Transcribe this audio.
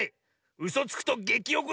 うそつくと「げきおこ」だぞ！